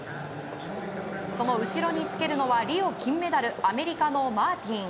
その後ろにつけるのはリオ金メダルアメリカのマーティン。